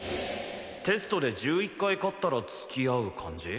テストで１１回勝ったら付き合う感じ？